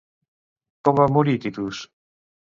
Com va morir Titus?